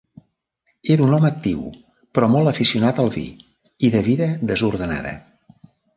Era un home actiu però molt aficionat al vi i de vida desordenada.